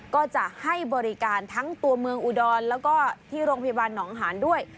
ก็จะให้บริการทั้งตัวเมืองอุดรแล้วก็ที่โรงพยาบาลหนองหานด้วย